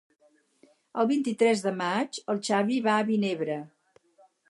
El vint-i-tres de maig en Xavi va a Vinebre.